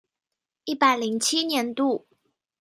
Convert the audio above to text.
一百零七年度